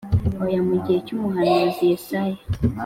Oya Mu gihe cy umuhanuzi Yesaya.